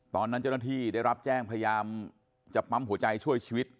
ตอนนั้นเจ้าหน้าที่ได้รับแจ้งพยายามจะปั๊มหัวใจช่วยชีวิต